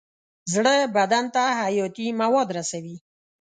زړه بدن ته حیاتي مواد رسوي.